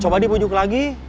coba dipujuk lagi